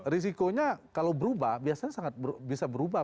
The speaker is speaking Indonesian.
risikonya kalau berubah biasanya sangat bisa berubah